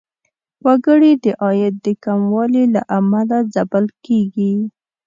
وګړي د عاید د کموالي له امله ځپل کیږي.